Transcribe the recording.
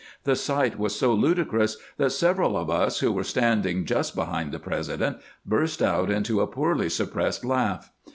The sight was so ludicrous that several of us who were standing just behind the President burst out into a poorly sup pressed laugh.